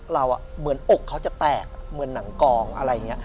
เหมือนอกเขาจะแตกเหมือนหนังกองอะไรอย่างนี้